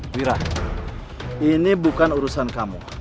wirah ini bukan urusan kamu